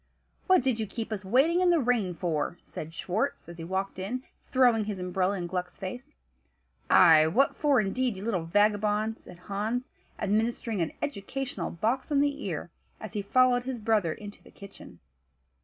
"What did you keep us waiting in the rain for?" said Schwartz, as he walked in, throwing his umbrella in Gluck's face. "Ay! what for, indeed, you little vagabond?" said Hans, administering an educational box on the ear, as he followed his brother into the kitchen.